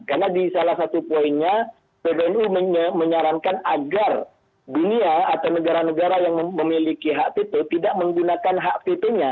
karena di salah satu poinnya pbnu menyarankan agar dunia atau negara negara yang memiliki hak veto tidak menggunakan hak vitonya